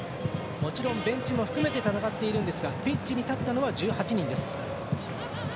もちろんベンチも含めて戦っているんですがピッチに立ったのは１８人です。